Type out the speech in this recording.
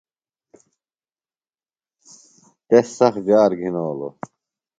۔تس سخت جار گِھنولوۡ۔